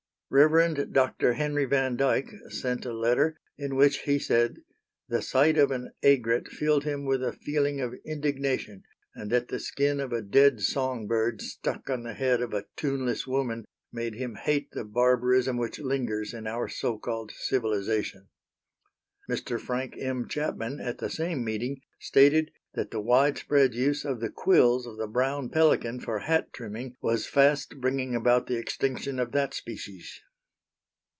Rev. Dr. Henry Van Dyke sent a letter in which he said the sight of an aigrette filled him with a feeling of indignation, and that the skin of a dead songbird stuck on the head of a tuneless woman made him hate the barbarism which lingers in our so called civilization. Mr. Frank M. Chapman, at the same meeting, stated that the wide spread use of the quills of the brown pelican for hat trimming was fast bringing about the extinction of that species.